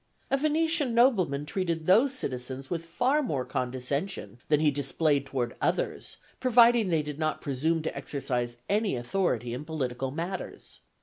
A Venetian nobleman treated those citizens with far more condescension than he displayed toward others, provided they did not presume to exercise any authority in political matters.